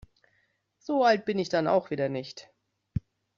So alt bin ich dann auch wieder nicht.